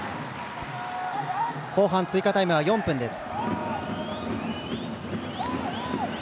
後半、追加タイムは４分です。